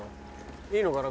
いいのかな？